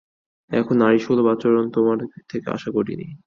এমন নারীসুলভ আচরণ তোমার থেকে আশা করিনি।